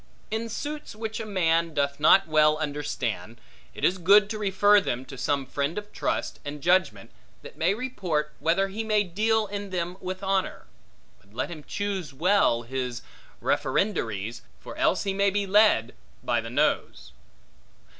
In suits which a man doth not well understand, it is good to refer them to some friend of trust and judgment, that may report, whether he may deal in them with honor: but let him choose well his referendaries, for else he may be led by the nose.